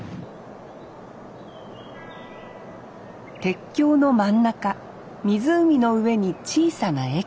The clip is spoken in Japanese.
鉄橋の真ん中湖の上に小さな駅。